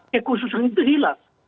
kekhususan itu hilang